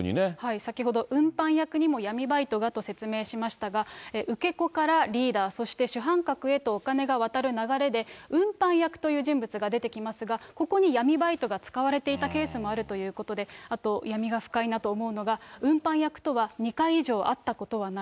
先ほど、運搬役にも闇バイトがと説明しましたが、受け子からリーダー、そして主犯格へとお金が渡る流れで運搬役という人物が出てきますが、ここに闇バイトが使われていたケースがあるということで、あと、闇が深いなと思うのが、運搬役とは、２回以上会ったことはない。